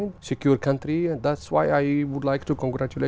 bây giờ tôi cảm thấy như tôi đang ở quốc gia của tôi